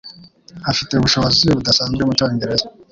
Afite ubushobozi budasanzwe mucyongereza.